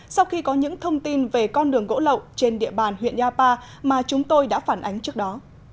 sau khi có những thông tin về con đường gỗ lậu trên địa bàn huyện yapa mà chúng tôi đã phản ánh trước đó